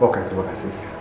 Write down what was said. oke terima kasih